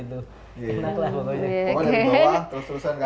gitu lah pokoknya